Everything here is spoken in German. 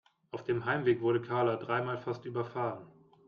Auf dem Heimweg wurde Karla dreimal fast überfahren.